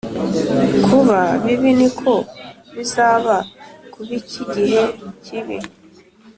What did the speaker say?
Kuba bibi ni ko bizaba ku b iki gihe kibi